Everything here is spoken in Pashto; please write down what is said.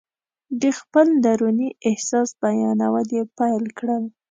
د خپل دروني احساس بیانول یې پیل کړل.